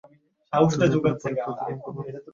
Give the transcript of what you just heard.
তুমি এখনই পরিখা অতিক্রম করবে না।